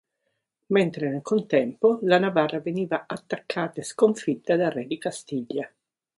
Mentre, nel contempo, la Navarra veniva attaccata e sconfitta dal re di Castiglia.